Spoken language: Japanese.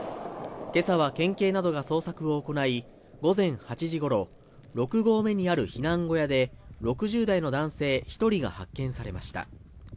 今朝は県警などが捜索を行い、午前８時頃、六合目にある避難小屋で、６０代の男性１人が発見されました。